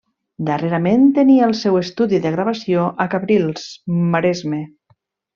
Darrerament tenia el seu estudi de gravació a Cabrils, Maresme.